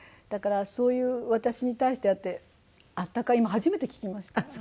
だからそういう私に対してああやって温かい今初めて聞きました。